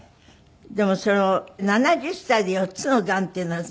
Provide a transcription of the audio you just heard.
でも７０歳で４つのがんっていうのはどこに？